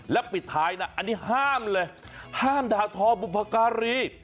และปิดท้ายนะอันนี้ห้ามเลยห้ามด่าทอบุพการี